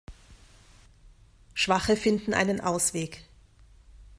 Schwache finden einen Ausweg.